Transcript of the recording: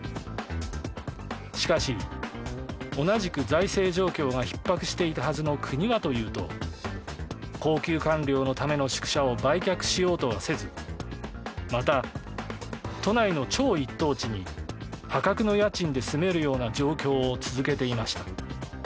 しかし、同じく財政状況がひっ迫していたはずの国はというと高級官僚のための宿舎を売却しようとはせずまた、都内の超一等地に破格の家賃で住めるような状況を続けていました。